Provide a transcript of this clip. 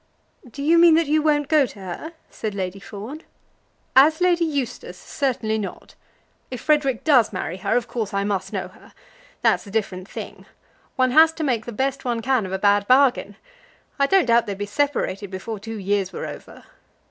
"Do you mean that you won't go to her?" said Lady Fawn. "As Lady Eustace, certainly not. If Frederic does marry her, of course I must know her. That's a different thing. One has to make the best one can of a bad bargain. I don't doubt they'd be separated before two years were over."